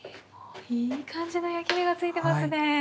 いい感じの焼き目が付いてますね。